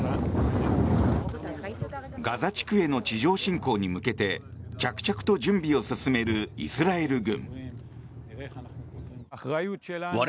ガザ地区への地上侵攻に向けて着々と準備を進めるイスラエル軍。